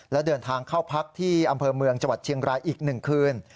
และเดินทางเข้าพักที่อำเภอเมืองจังหวัดเชียงรายอีก๑คืน